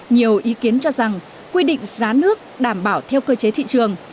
nhiều ý kiến cho rằng quy định giá nước đảm bảo theo cơ chế thị trường